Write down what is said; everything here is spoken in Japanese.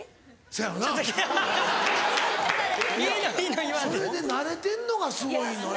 それでなれてんのがすごいのよ。